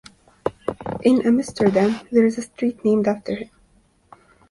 In Amsterdam, there is a street named after him.